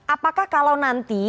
apakah kalau nanti